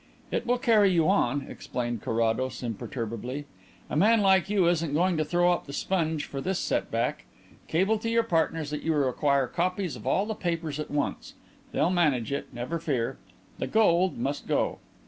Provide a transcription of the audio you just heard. "It will carry you on," explained Carrados imperturbably. "A man like you isn't going to throw up the sponge for this set back. Cable to your partners that you require copies of all the papers at once. They'll manage it, never fear. The gold ... must go.